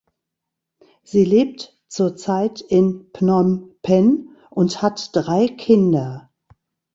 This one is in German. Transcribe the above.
Sie lebt zurzeit in Phnom Penh und hat drei Kinder.